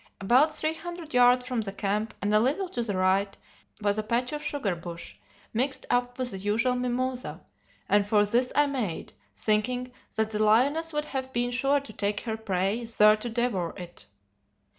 About three hundred yards from the camp, and a little to the right, was a patch of sugar bush mixed up with the usual mimosa, and for this I made, thinking that the lioness would have been sure to take her prey there to devour it.